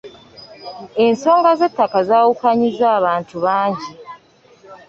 Ensonga z'ettaka zaawukanyizza abantu bangi.